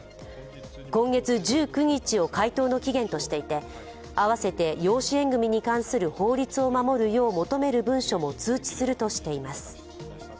今月１９日を回答の期限としていて、合わせて養子縁組に関する法律を守るよう求める文書も通知するとしています。